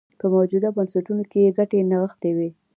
په موجوده بنسټونو کې یې ګټې نغښتې وې.